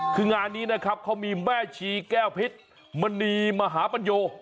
คืองานนี้นะครับเขามีแม่ชีแก้วเพชรมณีมหาปัญโย